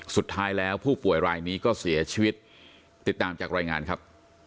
สุดท้ายแล้วผู้ป่วยรายนี้ก็เสียชีวิตติดตามจากรายงานครับ